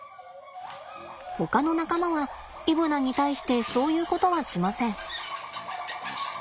ほかの仲間はイブナに対してそういうことはしません。